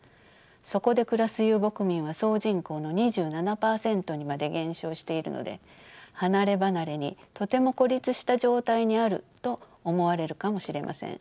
そこで暮らす遊牧民は総人口の２７％にまで減少しているので離れ離れにとても孤立した状態にあると思われるかもしれません。